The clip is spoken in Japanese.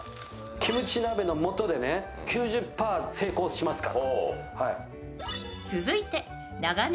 キムチ鍋の素で９０％成功しますから。